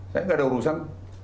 saya nggak ada urusan